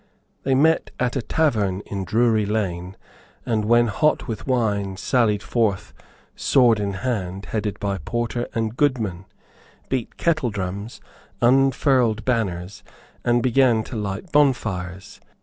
They met at a tavern in Drury Lane, and, when hot with wine, sallied forth sword in hand, headed by Porter and Goodman, beat kettledrums, unfurled banners, and began to light bonfires.